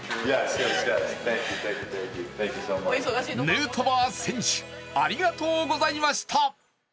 ヌートバー選手、ありがとうございました。